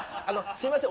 すいません！